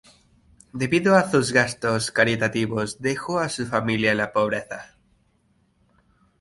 Debido a sus gastos caritativos, dejó a su familia en la pobreza.